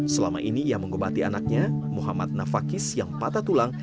selama ini ia mengobati anaknya muhammad nafakis yang patah tulang